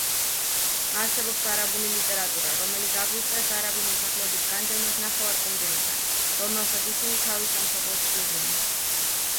არსებობს არაბული ლიტერატურა რომელიც აგვიწერს არაბი მოსახლეობის განდევნას ნახევარკუნძულიდან, რომელსაც ისინი თავის სამშობლოდ თვლიდნენ.